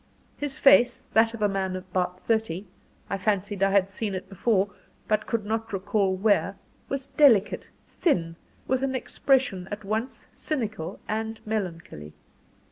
His face, that of a man about thirty I fancied I had seen it before, but could not recall where, was delicate, thin, with an expression at once cynical and melancholy.